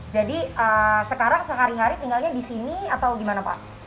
jadi sekarang sehari hari tinggalnya di sini atau gimana pak